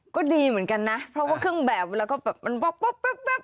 ก็ดีเหมือนกันนะเพราะว่าเครื่องแบบเวลาก็แบบมันวับ